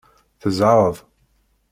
Tezɛeḍ.